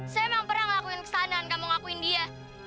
saya memang pernah ngelakuin kesalahan dengan kamu ngakuin dia